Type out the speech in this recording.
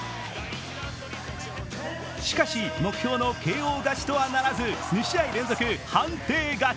しかし目標のＫＯ勝ちとはならず２試合連続判定勝ち。